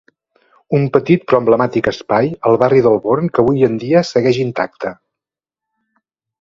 Un petit però emblemàtic espai al barri del Born que avui en dia segueix intacte.